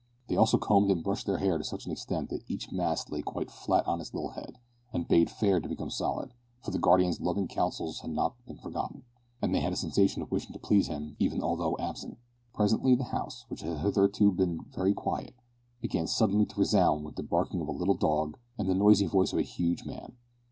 They also combed and brushed their hair to such an extent that each mass lay quite flat on its little head, and bade fair to become solid, for the Guardian's loving counsels had not been forgotten, and they had a sensation of wishing to please him even although absent. Presently the house, which had hitherto been very quiet, began suddenly to resound with the barking of a little dog and the noisy voice of a huge man.